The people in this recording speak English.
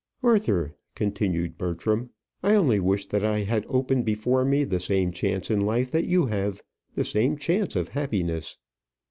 "Arthur," continued Bertram, "I only wish that I had open before me the same chance in life that you have the same chance of happiness."